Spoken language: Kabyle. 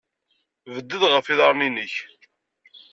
Bded ɣef yiḍarren-nnek.